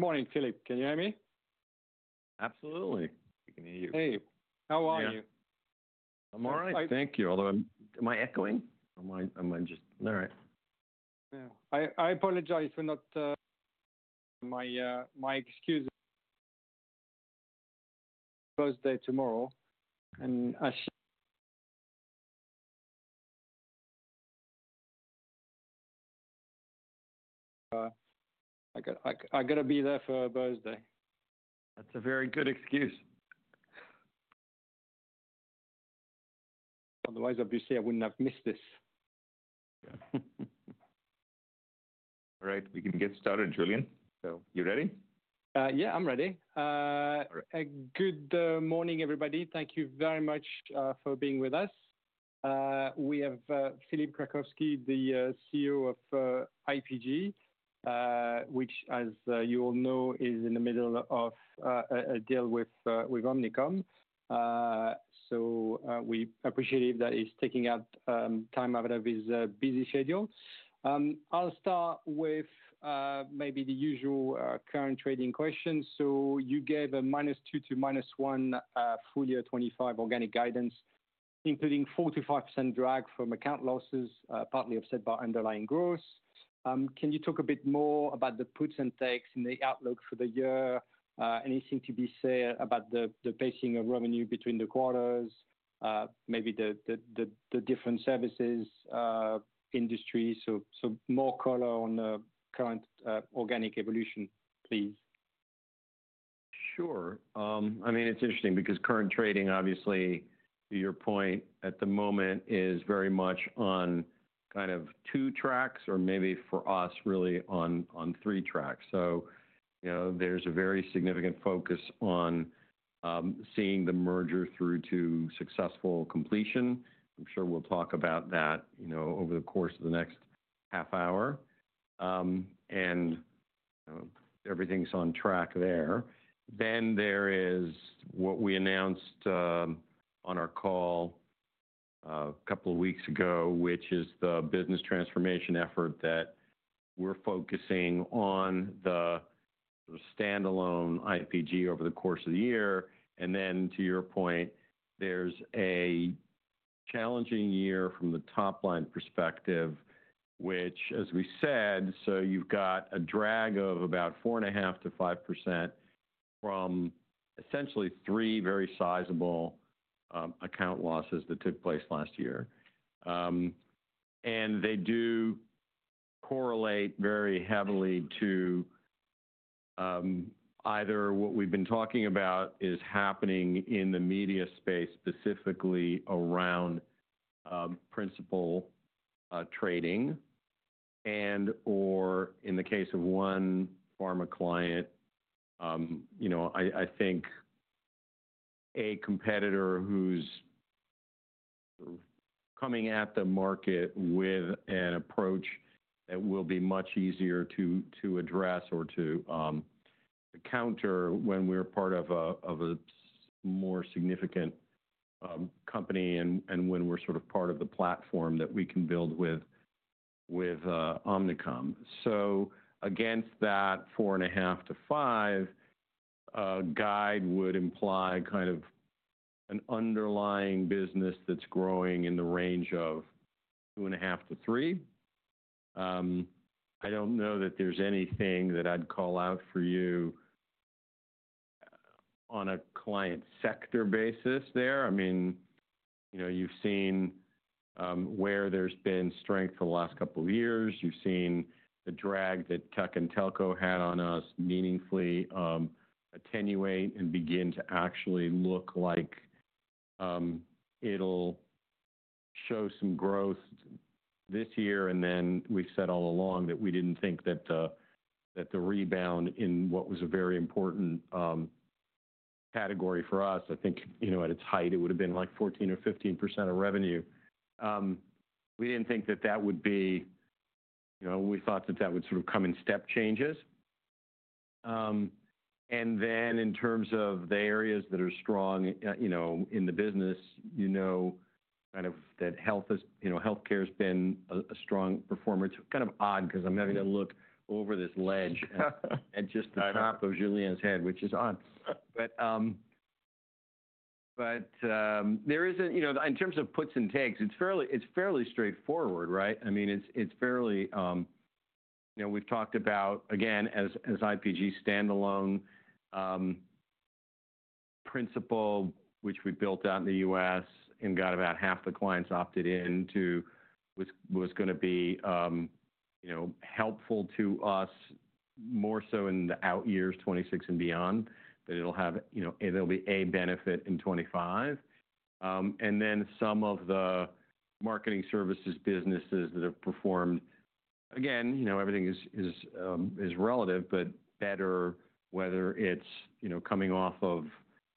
Good morning, Philippe. Can you hear me? Absolutely. We can hear you. Hey. How are you? I'm all right. Thank you. Although, am I echoing? Am I just all right. Yeah. I apologize for not my excuse. Birthday tomorrow, and I got to be there for a birthday. That's a very good excuse. Otherwise, obviously, I wouldn't have missed this. All right. We can get started, Julien. So you ready? Yeah, I'm ready. Good morning, everybody. Thank you very much for being with us. We have Philippe Krakowsky, the CEO of IPG, which, as you all know, is in the middle of a deal with Omnicom. So we're appreciative that he's taking time out of his busy schedule. I'll start with maybe the usual current trading questions. So you gave a -2% to -1% full year 2025 organic guidance, including 4%-5% drag from account losses, partly offset by underlying growth. Can you talk a bit more about the puts and takes and the outlook for the year? Anything to be said about the pacing of revenue between the quarters, maybe the different services industries? So more color on the current organic evolution, please. Sure. I mean, it's interesting because current trading, obviously, to your point, at the moment is very much on kind of two tracks or maybe for us, really, on three tracks, so there's a very significant focus on seeing the merger through to successful completion. I'm sure we'll talk about that over the course of the next half hour, and everything's on track there, then there is what we announced on our call a couple of weeks ago, which is the business transformation effort that we're focusing on the standalone IPG over the course of the year, and then, to your point, there's a challenging year from the top-line perspective, which, as we said, so you've got a drag of about 4.5%-5% from essentially three very sizable account losses that took place last year. And they do correlate very heavily to either what we've been talking about is happening in the media space, specifically around principal trading, and/or in the case of one pharma client, I think a competitor who's coming at the market with an approach that will be much easier to address or to counter when we're part of a more significant company and when we're sort of part of the platform that we can build with Omnicom. So against that 4.5%-5% guide would imply kind of an underlying business that's growing in the range of 2.5%-3%. I don't know that there's anything that I'd call out for you on a client sector basis there. I mean, you've seen where there's been strength the last couple of years. You've seen the drag that tech and telco had on us meaningfully attenuate and begin to actually look like it'll show some growth this year. And then we've said all along that we didn't think that the rebound in what was a very important category for us, I think at its height, it would have been like 14% or 15% of revenue. We didn't think that that would be. We thought that that would sort of come in step changes. And then in terms of the areas that are strong in the business, kind of that healthcare has been a strong performer. It's kind of odd because I'm having to look over this ledge at just the top of Julien's head, which is odd. But there isn't. In terms of puts and takes, it's fairly straightforward, right? I mean, it's fairly. We've talked about, again, as IPG standalone principal, which we built out in the U.S. and got about half the clients opted into, was going to be helpful to us more so in the out years, 2026 and beyond, that it'll have. It'll be a benefit in 2025. And then some of the marketing services businesses that have performed. Again, everything is relative, but better, whether it's coming off of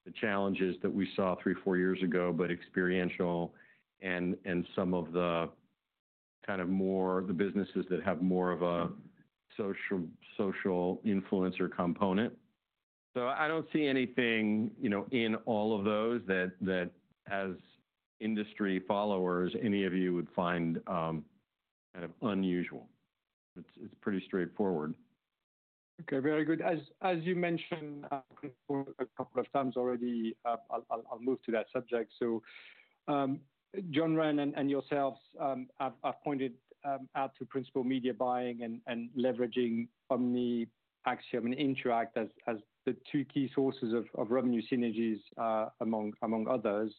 the challenges that we saw three, four years ago, but experiential and some of the kind of more the businesses that have more of a social influencer component. So I don't see anything in all of those that, as industry followers, any of you would find kind of unusual. It's pretty straightforward. Okay. Very good. As you mentioned a couple of times already, I'll move to that subject so John Wren and yourselves have pointed out to principal media buying and leveraging Omni, Acxiom, and Interact as the two key sources of revenue synergies, among others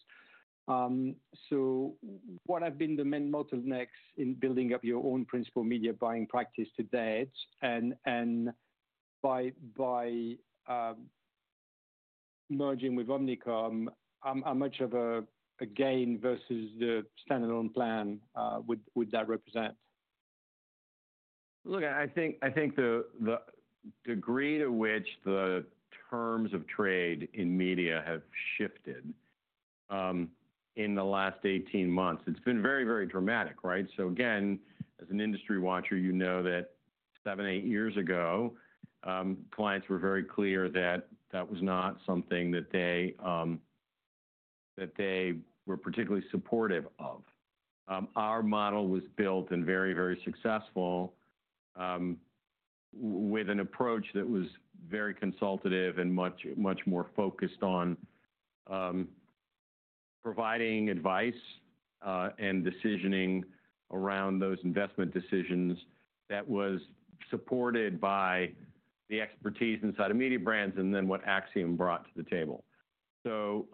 so what have been the main bottlenecks in building up your own principal media buying practice to date, and by merging with Omnicom, how much of a gain versus the standalone plan would that represent? Look, I think the degree to which the terms of trade in media have shifted in the last 18 months, it's been very, very dramatic, right? So again, as an industry watcher, you know that seven, eight years ago, clients were very clear that that was not something that they were particularly supportive of. Our model was built and very, very successful with an approach that was very consultative and much more focused on providing advice and decisioning around those investment decisions that was supported by the expertise inside of Mediabrands and then what Acxiom brought to the table. So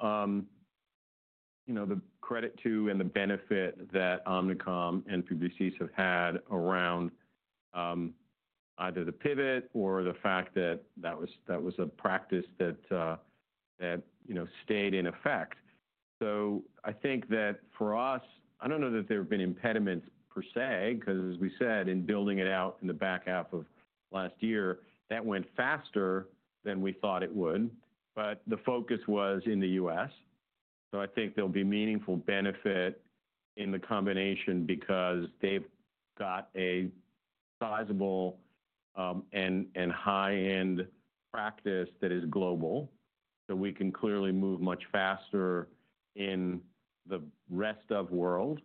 the credit to and the benefit that Omnicom and Publicis have had around either the pivot or the fact that that was a practice that stayed in effect. So I think that for us, I don't know that there have been impediments per se because, as we said, in building it out in the back half of last year, that went faster than we thought it would. But the focus was in the U.S. So I think there'll be meaningful benefit in the combination because they've got a sizable and high-end practice that is global. So we can clearly move much faster in the rest of the world.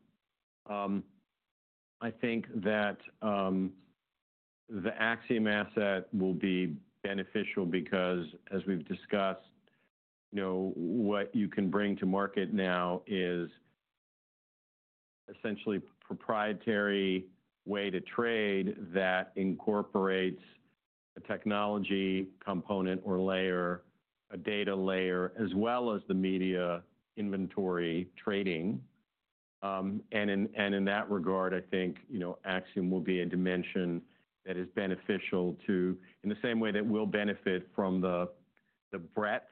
I think that the Acxiom asset will be beneficial because, as we've discussed, what you can bring to market now is essentially a proprietary way to trade that incorporates a technology component or layer, a data layer, as well as the media inventory trading. And in that regard, I think Acxiom will be a dimension that is beneficial to, in the same way that we'll benefit from the breadth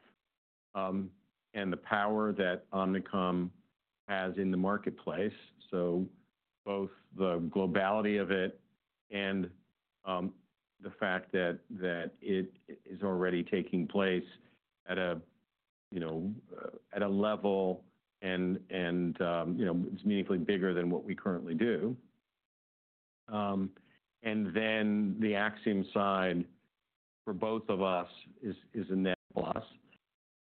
and the power that Omnicom has in the marketplace. So both the globality of it and the fact that it is already taking place at a level and it's meaningfully bigger than what we currently do. And then the Acxiom side for both of us is a net plus.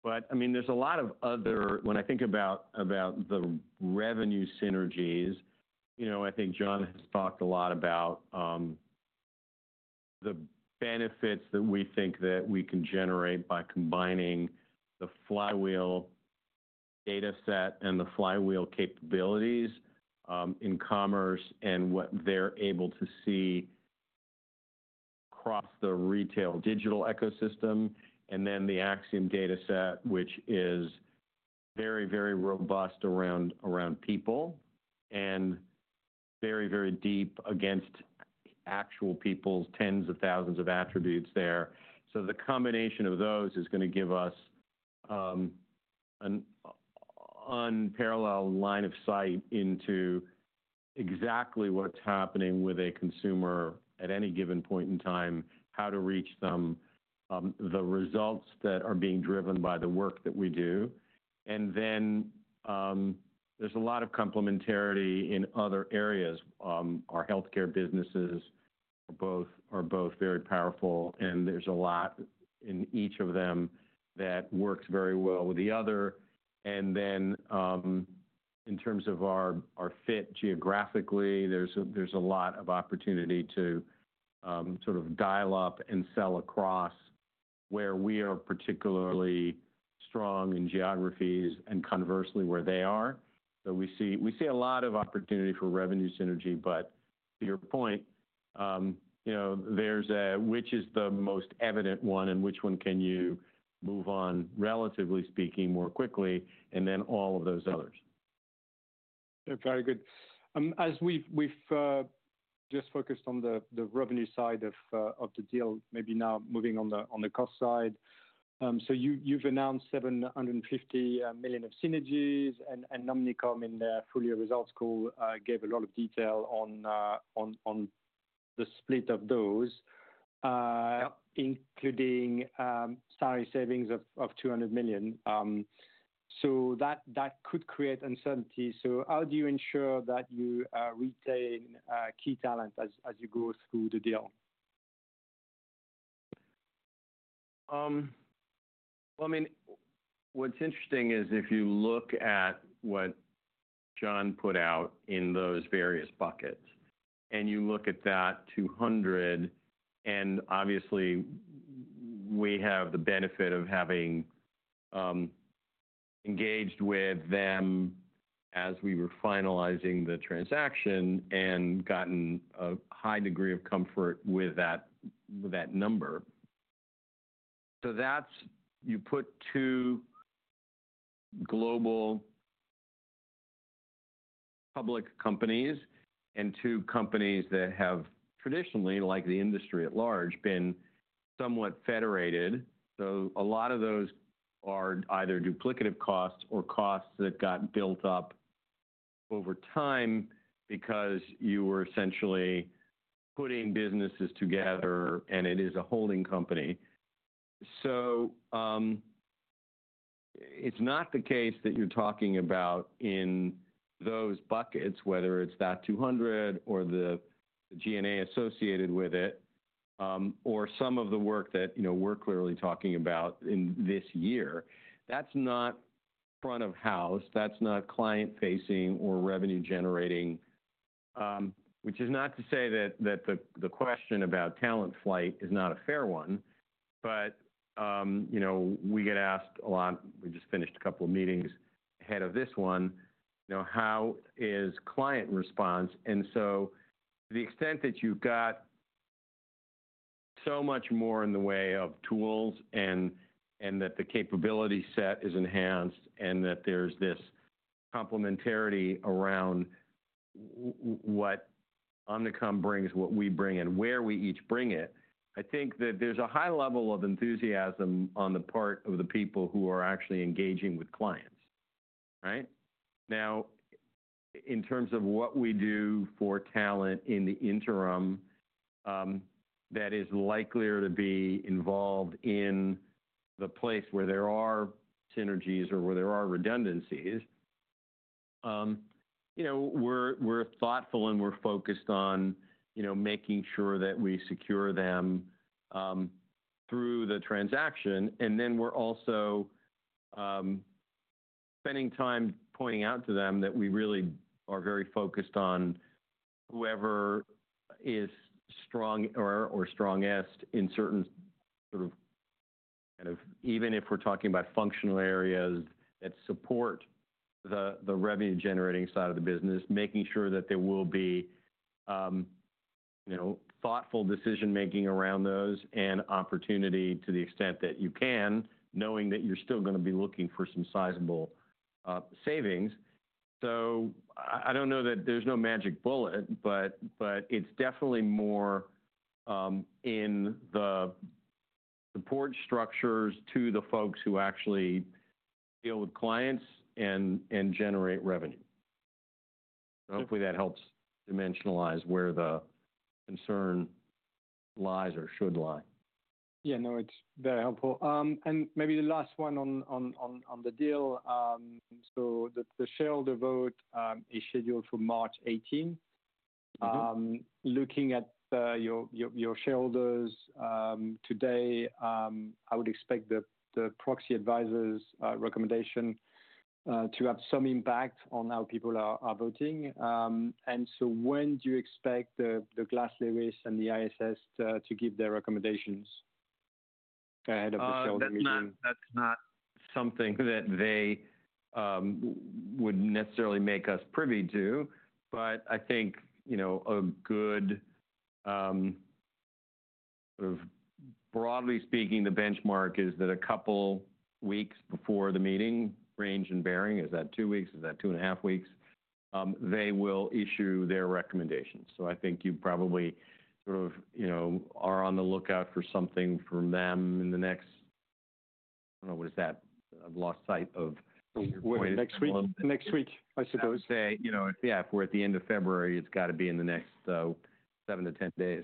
But I mean, there's a lot of other, when I think about the revenue synergies, I think John has talked a lot about the benefits that we think that we can generate by combining the Flywheel data set and the Flywheel capabilities in commerce and what they're able to see across the retail digital ecosystem. And then the Acxiom data set, which is very, very robust around people and very, very deep against actual people's tens of thousands of attributes there. So the combination of those is going to give us an unparalleled line of sight into exactly what's happening with a consumer at any given point in time, how to reach them, the results that are being driven by the work that we do. And then there's a lot of complementarity in other areas. Our healthcare businesses are both very powerful, and there's a lot in each of them that works very well with the other. And then in terms of our fit geographically, there's a lot of opportunity to sort of dial up and sell across where we are particularly strong in geographies and conversely where they are. So we see a lot of opportunity for revenue synergy, but to your point, there's a, which is the most evident one and which one can you move on, relatively speaking, more quickly, and then all of those others. Okay. Very good. As we've just focused on the revenue side of the deal, maybe now moving on the cost side. So you've announced $750 million of synergies, and Omnicom in their full year results call gave a lot of detail on the split of those, including salary savings of $200 million. So that could create uncertainty. So how do you ensure that you retain key talent as you go through the deal? Well, I mean, what's interesting is if you look at what John put out in those various buckets and you look at that 200, and obviously, we have the benefit of having engaged with them as we were finalizing the transaction and gotten a high degree of comfort with that number. So you put two global public companies and two companies that have traditionally, like the industry at large, been somewhat federated. So a lot of those are either duplicative costs or costs that got built up over time because you were essentially putting businesses together, and it is a holding company. So it's not the case that you're talking about in those buckets, whether it's that 200 or the G&A associated with it or some of the work that we're clearly talking about in this year. That's not front of house. That's not client-facing or revenue-generating, which is not to say that the question about talent flight is not a fair one, but we get asked a lot, we just finished a couple of meetings ahead of this one, how is client response? And so to the extent that you've got so much more in the way of tools and that the capability set is enhanced and that there's this complementarity around what Omnicom brings, what we bring, and where we each bring it, I think that there's a high level of enthusiasm on the part of the people who are actually engaging with clients, right? Now, in terms of what we do for talent in the interim, that is likelier to be involved in the place where there are synergies or where there are redundancies. We're thoughtful and we're focused on making sure that we secure them through the transaction. And then we're also spending time pointing out to them that we really are very focused on whoever is strong or strongest in certain sort of kind of, even if we're talking about functional areas that support the revenue-generating side of the business, making sure that there will be thoughtful decision-making around those and opportunity to the extent that you can, knowing that you're still going to be looking for some sizable savings. So I don't know that there's no magic bullet, but it's definitely more in the support structures to the folks who actually deal with clients and generate revenue. Hopefully, that helps dimensionalize where the concern lies or should lie. Yeah. No, it's very helpful. And maybe the last one on the deal. So the shareholder vote is scheduled for March 18. Looking at your shareholders today, I would expect the proxy advisors' recommendation to have some impact on how people are voting. And so when do you expect the Glass Lewis and the ISS to give their recommendations ahead of the shareholder meeting? That's not something that they would necessarily make us privy to, but I think a good sort of broadly speaking, the benchmark is that a couple weeks before the meeting range and bearing - is that two weeks? Is that two and a half weeks? - they will issue their recommendations. So I think you probably sort of are on the lookout for something from them in the next - I don't know what is that. I've lost sight of. Wait. Next week? I suppose. I would say, yeah, if we're at the end of February, it's got to be in the next seven to 10 days.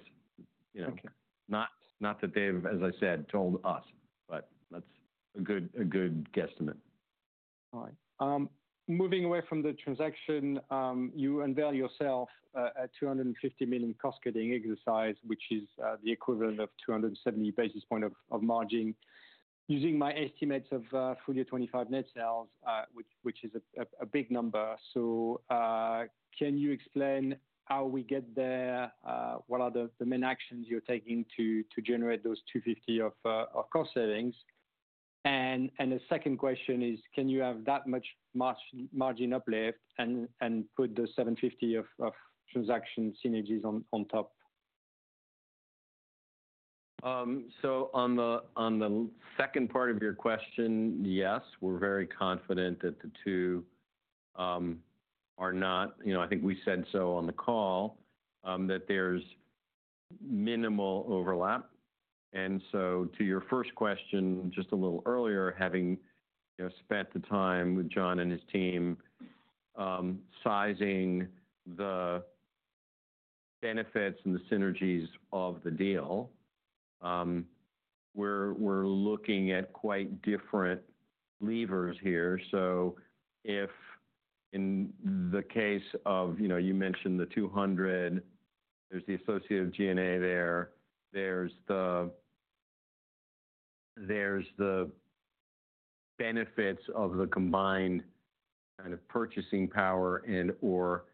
Not that they've, as I said, told us, but that's a good guesstimate. All right. Moving away from the transaction, you unveiled a $250 million cost-cutting exercise, which is the equivalent of 270 basis points of margin. Using my estimates of full year 2025 net sales, which is a big number, so can you explain how we get there? What are the main actions you're taking to generate those $250 million of cost savings? And the second question is, can you have that much margin uplift and put the $750 million of transaction synergies on top? So on the second part of your question, yes, we're very confident that the two are not, I think we said so on the call, that there's minimal overlap. And so to your first question just a little earlier, having spent the time with John and his team sizing the benefits and the synergies of the deal, we're looking at quite different levers here. So if in the case of you mentioned the 200, there's the associated G&A there. There's the benefits of the combined kind of purchasing power and/or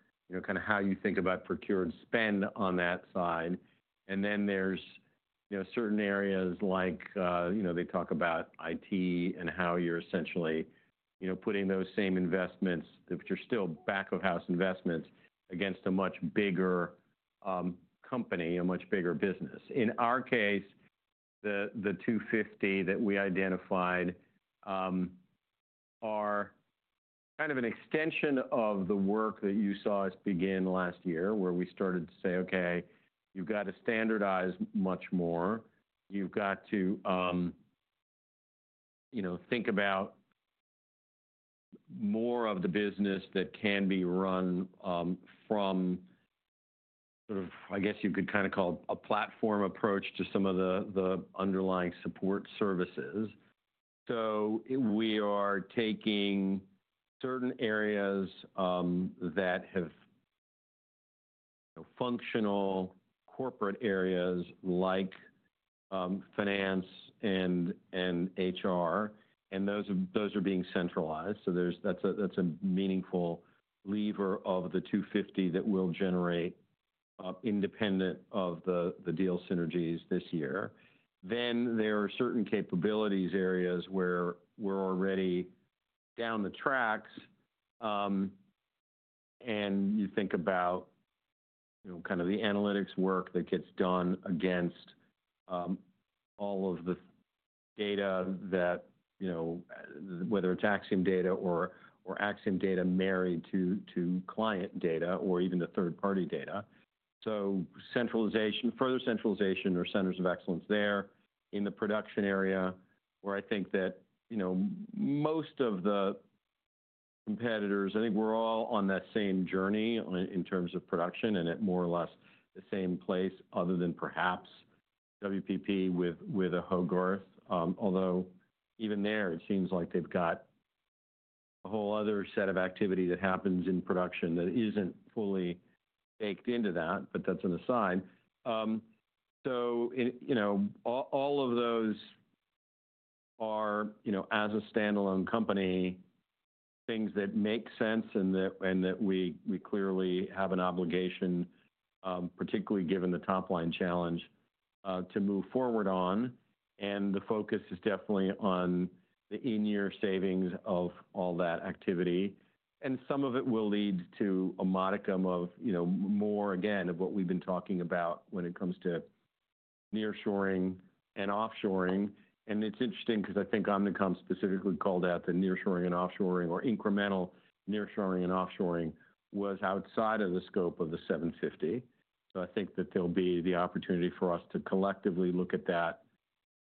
kind of how you think about procured spend on that side. And then there's certain areas like they talk about IT and how you're essentially putting those same investments, which are still back-of-house investments, against a much bigger company, a much bigger business. In our case, the 250 that we identified are kind of an extension of the work that you saw us begin last year where we started to say, "Okay, you've got to standardize much more. You've got to think about more of the business that can be run from sort of, I guess you could kind of call a platform approach to some of the underlying support services." So we are taking certain areas that have functional corporate areas like Finance and HR, and those are being centralized. So that's a meaningful lever of the 250 that will generate independent of the deal synergies this year. Then there are certain capabilities areas where we're already down the tracks, and you think about kind of the analytics work that gets done against all of the data that, whether it's Acxiom data or Acxiom data married to client data or even the third-party data. So further centralization or centers of excellence there in the production area where I think that most of the competitors, I think we're all on that same journey in terms of production and at more or less the same place other than perhaps WPP with a Hogarth. Although even there, it seems like they've got a whole other set of activity that happens in production that isn't fully baked into that, but that's an aside. So all of those are, as a standalone company, things that make sense and that we clearly have an obligation, particularly given the top-line challenge, to move forward on. And the focus is definitely on the in-year savings of all that activity. And some of it will lead to a modicum of more, again, of what we've been talking about when it comes to nearshoring and offshoring. And it's interesting because I think Omnicom specifically called out the nearshoring and offshoring or incremental nearshoring and offshoring was outside of the scope of the 750. So I think that there'll be the opportunity for us to collectively look at that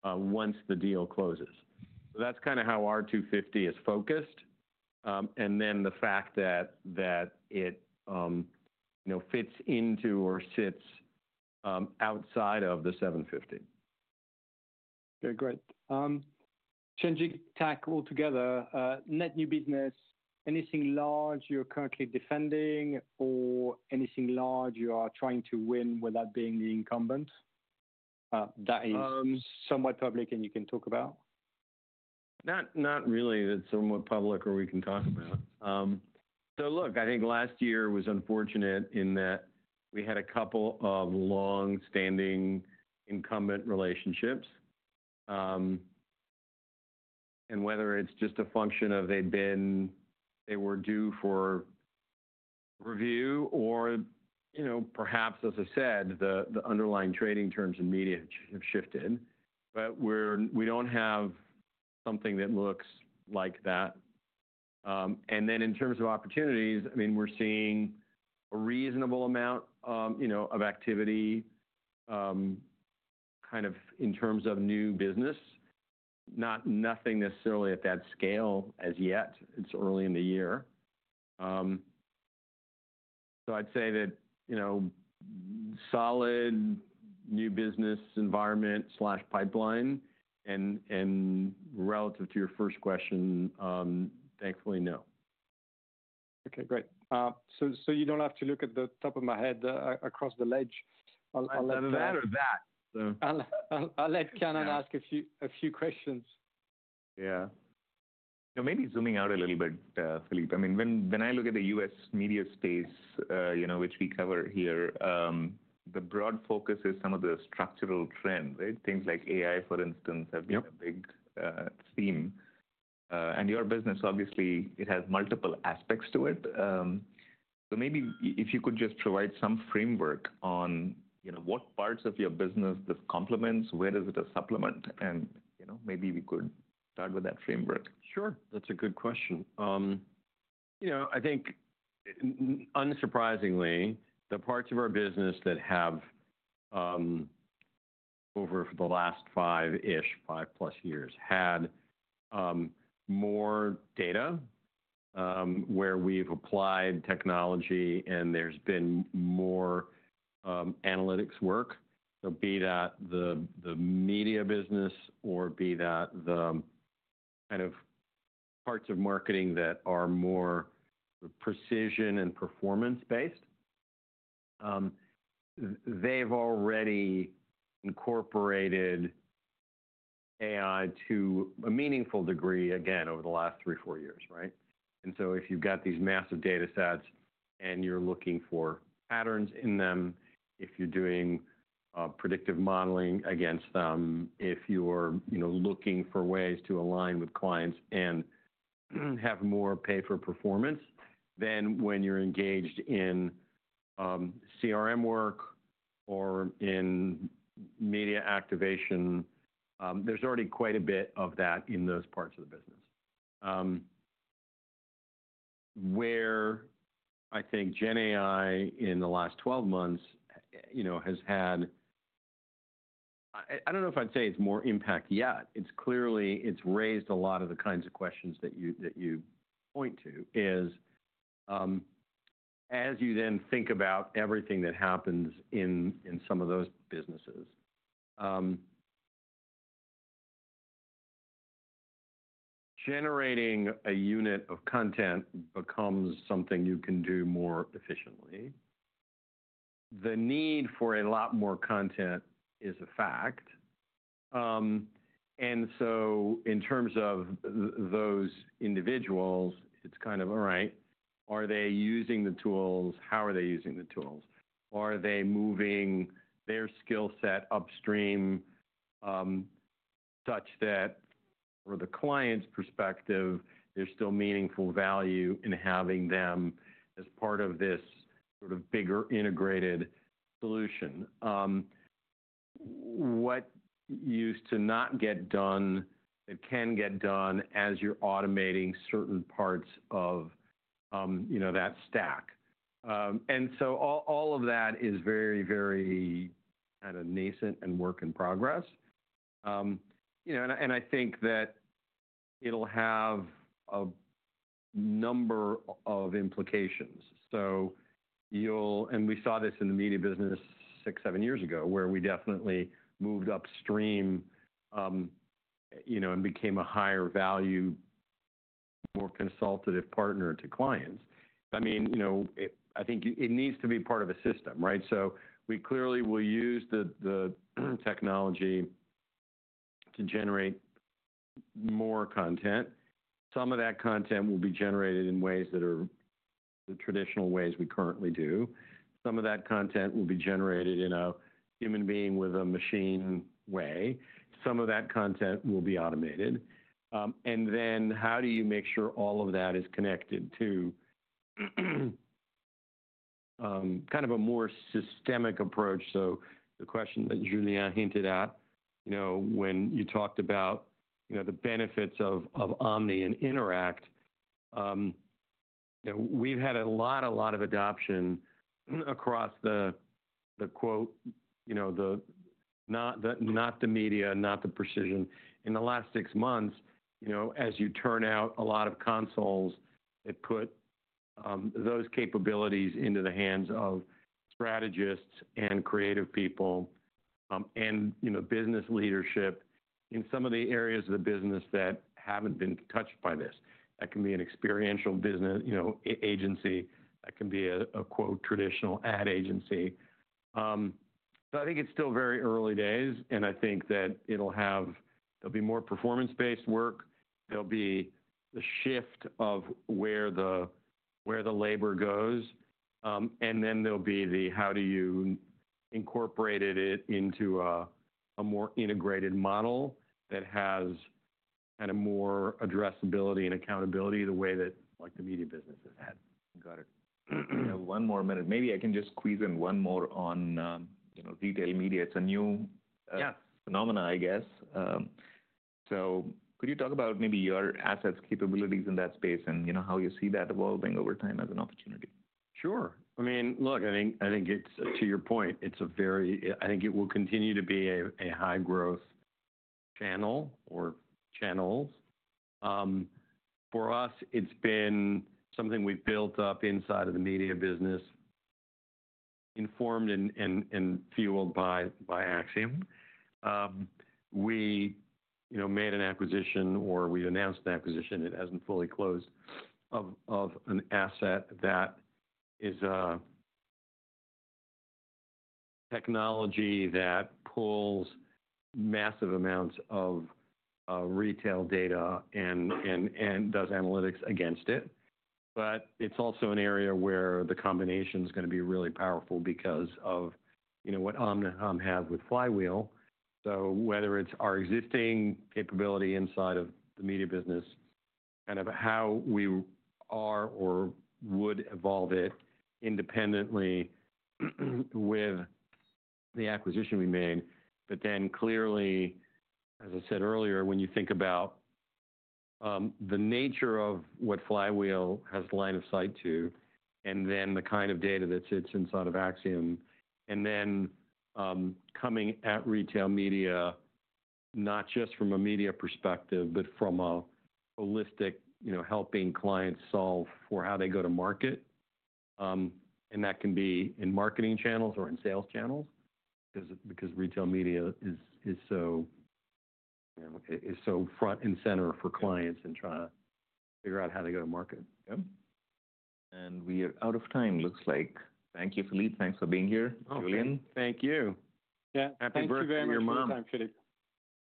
once the deal closes. So that's kind of how our 250 is focused. And then the fact that it fits into or sits outside of the 750. Okay. Great. Changing tack altogether, net new business, anything large you're currently defending or anything large you are trying to win without being the incumbent? That is somewhat public and you can talk about. Not really. That's somewhat public, or we can talk about. Look, I think last year was unfortunate in that we had a couple of long-standing incumbent relationships. Whether it's just a function of they were due for review or perhaps, as I said, the underlying trading terms and media have shifted, we don't have something that looks like that. Then in terms of opportunities, I mean, we're seeing a reasonable amount of activity kind of in terms of new business, not nothing necessarily at that scale as yet. It's early in the year. I'd say that solid new business environment, pipeline and relative to your first question, thankfully, no. Okay. Great. So you don't have to look at the top of my head across the ledge. Either that or that, so. I'll let Cameron ask a few questions. Yeah. Maybe zooming out a little bit, Philippe. I mean, when I look at the U.S. media space, which we cover here, the broad focus is some of the structural trends, right? Things like AI, for instance, have been a big theme. And your business, obviously, it has multiple aspects to it. So maybe if you could just provide some framework on what parts of your business this complements, where is it a supplement, and maybe we could start with that framework. Sure. That's a good question. I think unsurprisingly, the parts of our business that have over the last five-ish, 5+ years had more data where we've applied technology and there's been more analytics work, be that the media business or be that the kind of parts of marketing that are more precision and performance-based, they've already incorporated AI to a meaningful degree, again, over the last three, four years, right? And so if you've got these massive data sets and you're looking for patterns in them, if you're doing predictive modeling against them, if you're looking for ways to align with clients and have more pay-for-performance, then when you're engaged in CRM work or in media activation, there's already quite a bit of that in those parts of the business. Where I think GenAI in the last 12 months has had, I don't know if I'd say it's more impact yet. It's clearly raised a lot of the kinds of questions that you point to, as you then think about everything that happens in some of those businesses, generating a unit of content becomes something you can do more efficiently. The need for a lot more content is a fact. And so in terms of those individuals, it's kind of, all right, are they using the tools? How are they using the tools? Are they moving their skill set upstream such that, from the client's perspective, there's still meaningful value in having them as part of this sort of bigger integrated solution? What used to not get done that can get done as you're automating certain parts of that stack? And so all of that is very, very kind of nascent and work in progress. And I think that it'll have a number of implications. And we saw this in the media business six, seven years ago where we definitely moved upstream and became a higher-value, more consultative partner to clients. I mean, I think it needs to be part of a system, right? So we clearly will use the technology to generate more content. Some of that content will be generated in ways that are the traditional ways we currently do. Some of that content will be generated in a human being with a machine way. Some of that content will be automated. And then how do you make sure all of that is connected to kind of a more systemic approach? So the question that Julien hinted at, when you talked about the benefits of Omni and Interact, we've had a lot, a lot of adoption across the, quote, not the media, not the precision. In the last six months, as you turn out a lot of consoles, it put those capabilities into the hands of strategists and creative people and business leadership in some of the areas of the business that haven't been touched by this. That can be an experiential agency. That can be a, quote, traditional ad agency. So I think it's still very early days, and I think that there'll be more performance-based work. There'll be the shift of where the labor goes, and then there'll be the how do you incorporate it into a more integrated model that has kind of more addressability and accountability the way that the media business has had. Got it. One more minute. Maybe I can just squeeze in one more on retail media. It's a new phenomenon, I guess. So could you talk about maybe your assets, capabilities in that space, and how you see that evolving over time as an opportunity? Sure. I mean, look, I think to your point, it's a very I think it will continue to be a high-growth channel or channels. For us, it's been something we've built up inside of the media business, informed and fueled by Acxiom. We made an acquisition or we announced an acquisition. It hasn't fully closed of an asset that is a technology that pulls massive amounts of retail data and does analytics against it. But it's also an area where the combination is going to be really powerful because of what Omnicom had with Flywheel. So whether it's our existing capability inside of the media business, kind of how we are or would evolve it independently with the acquisition we made. But then clearly, as I said earlier, when you think about the nature of what Flywheel has line of sight to, and then the kind of data that sits inside of Acxiom, and then coming at retail media, not just from a media perspective, but from a holistic helping clients solve for how they go to market. And that can be in marketing channels or in sales channels because retail media is so front and center for clients in trying to figure out how they go to market. We are out of time, looks like. Thank you, Philippe. Thanks for being here, Julien. Thank you. Yeah. Happy birthday to your mom. Thank you very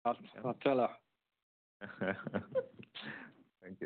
much for your time, Philippe. Awesome. I'll tell her. Thank you.